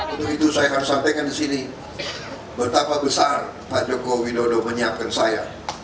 untuk itu saya akan sampaikan di sini betapa besar pak jokowi dodo menyiapkan saya